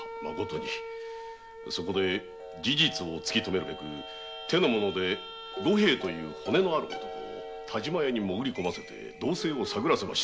そこで事実を突き止めるため手の者で五平という者を但馬屋に潜りこませ動静を探らせました。